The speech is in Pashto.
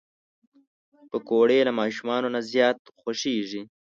پکورې له ماشومانو نه زیات خوښېږي